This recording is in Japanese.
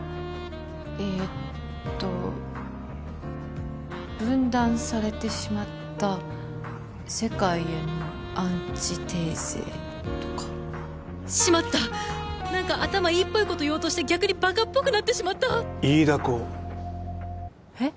ええと分断されてしまった世界へのアンチテーゼとかしまった何か頭いいっぽいこと言おうとして逆にバカっぽくなってしまったイイダコえっ？